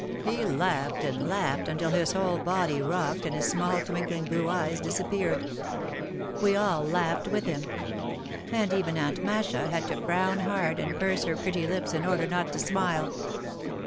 He laughed and laughed until his whole body rocked and his small twinkling blue eyes disappeared. We all laughed with him. And even Aunt Masha had to frown hard and purse her pretty lips in order not to smile.